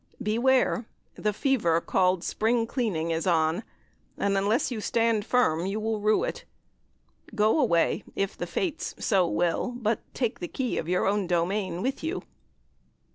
Beware! the fever called "Spring Clean" is on, and unless you stand firm, you will rue it. Go away, if the Fates so will, but take the key of your own domain with you.